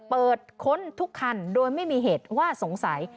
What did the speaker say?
ค้นทุกคันโดยไม่มีเหตุว่าสงสัย